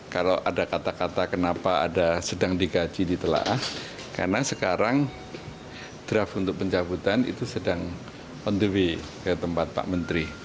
kalau ada kata kata kenapa ada sedang digaji ditelah karena sekarang draft untuk pencabutan itu sedang on the way ke tempat pak menteri